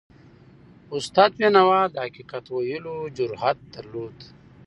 استاد بینوا د حقیقت ویلو جرأت درلود.